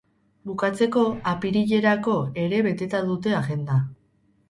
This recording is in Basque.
Bukatzeko, apirilerako ere beteta dute agenda.